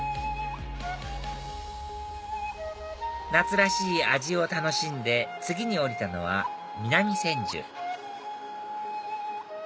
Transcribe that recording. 夏らしい味を楽しんで次に降りたのは南千住